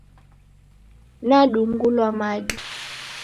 Nadung'ulwa madu.